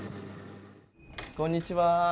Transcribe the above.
こんにちは。